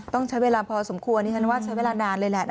ต้องใช้เวลาพอสมควรสมควรใช้เวลานานเลย